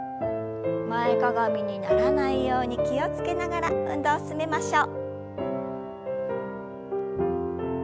前かがみにならないように気を付けながら運動を進めましょう。